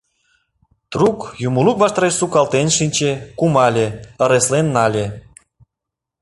Трук юмылук ваштареш сукалтен шинче, кумале, ыреслен нале.